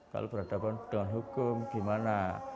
kalau berhadapan dengan hukum gimana